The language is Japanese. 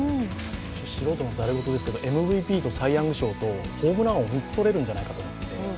素人のざれごとですけれども、ＭＶＰとサイ・ヤング賞とホームラン王３つとれるんじゃないかと思って。